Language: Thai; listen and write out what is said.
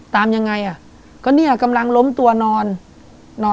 ตามยังไงอ่ะก็เนี่ยกำลังล้มตัวนอนนอน